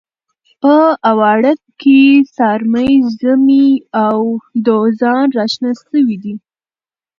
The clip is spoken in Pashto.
په اواړه کې سارمې، زمۍ او دوزان راشنه شوي دي.